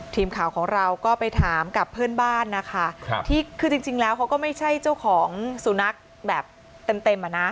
ทีมข่าวของเราก็ไปถามกับเพื่อนบ้านนะคะที่คือจริงแล้วเขาก็ไม่ใช่เจ้าของสุนัขแบบเต็มเต็มอ่ะนะ